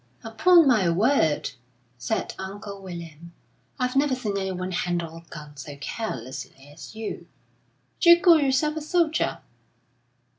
"Upon my word," said Uncle William, "I've never seen anyone handle a gun so carelessly as you. D'you call yourself a soldier?"